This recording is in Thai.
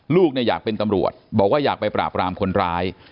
ลูกอยากเป็นตำรวจบอกว่าอยากไปปราบรามคนร้าย